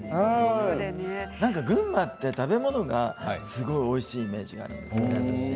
群馬って食べ物がすごいおいしいイメージがあるんですよね、私。